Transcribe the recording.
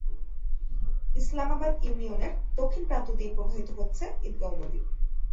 ইসলামাবাদ ইউনিয়নের দক্ষিণ প্রান্ত দিয়ে প্রবাহিত হচ্ছে ঈদগাঁও নদী।